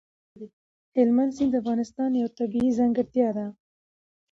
هلمند سیند د افغانستان یوه طبیعي ځانګړتیا ده.